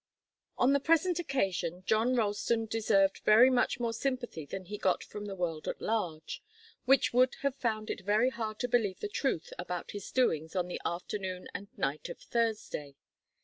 On the present occasion John Ralston deserved very much more sympathy than he got from the world at large, which would have found it very hard to believe the truth about his doings on the afternoon and night of Thursday.